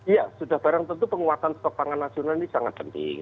ya sudah barang tentu penguatan stok pangan nasional ini sangat penting